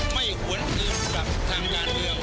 ไม่หวนอื่นกับทางงานเดียว